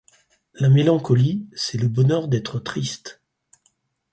La mélancolie, c'est le bonheur d'être triste.